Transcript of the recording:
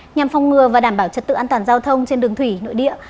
nhằm phong ngừa và đảm bảo trật tự an toàn giao thông trên đường thủy nội địa